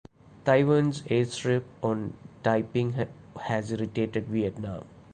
Taiwan's airstrip on Taiping has irritated Vietnam.